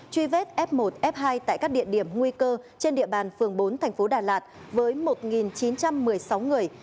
truy vết f một f hai tại các địa điểm nguy cơ trên địa bàn phường bốn thành phố đà lạt với một chín trăm một mươi sáu người